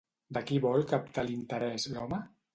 De qui vol captar l'interès, l'home?